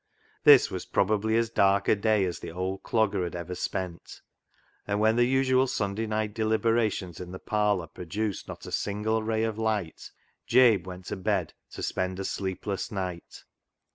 This was probably as dark a day as the old Clogger had ever spent, and when the usual Sunday night deliberations in the parlour pro duced not a single ray of light, Jabe went to bed to spend a sleepless night.